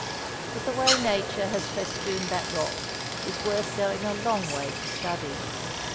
But the way Nature has festooned that rock is worth going a long way to study.